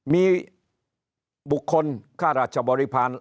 มีบุคคลค่าราชบริพาณ